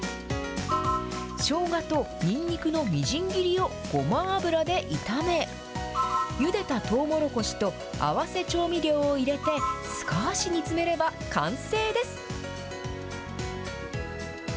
しょうがとニンニクのみじん切りをごま油で炒め、ゆでたとうもろこしと合わせ調味料を入れて、少し煮詰めれば完成です。